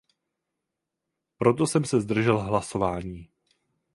Proto jsem se zdržel hlasování.